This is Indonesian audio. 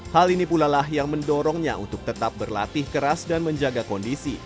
hal ini pula lah yang mendorongnya untuk tetap berlatih keras dan menjaga kondisi